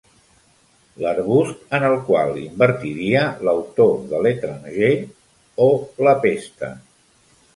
L'arbust en el qual invertiria l'autor de L'Étranger o La Peste.